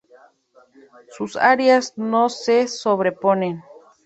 Sua áreas no se sobreponen.